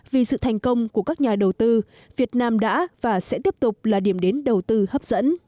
vì sự thành công của các nhà đầu tư việt nam đã và sẽ tiếp tục là điểm đến đầu tư hấp dẫn